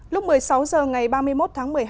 lúc một mươi sáu h ngày ba mươi một tháng một mươi hai